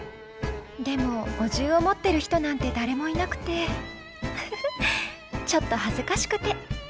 でもお重を持ってる人なんて誰もいなくてふふちょっと恥ずかしくて」。